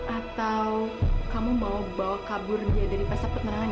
atau kamu mau bawa kabur dia dari pasaput merangani